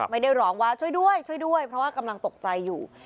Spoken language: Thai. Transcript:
ไม่ได้ร้องว่าช่วยด้วยช่วยด้วยเพราะว่ากำลังตกใจอยู่